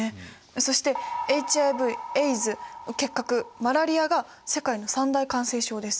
そしてＨＩＶ結核マラリアが世界の三大感染症です。